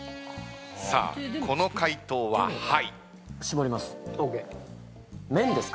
さあこの回答は「はい」